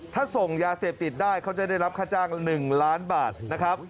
ถ้าส่งยาเสพติดได้เขาจะได้รับค่าจ้าง๑ล้านบาทนะครับ